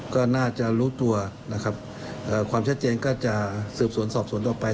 ก็น่าจะรู้ตัวนะครับความชัดเจนก็จะสืบสวนสอบสวนต่อไป